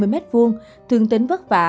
hai mươi m hai thương tính vất vả